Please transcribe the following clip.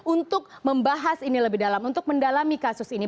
untuk membahas ini lebih dalam untuk mendalami kasus ini